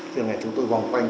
thì ngày chúng tôi vòng quanh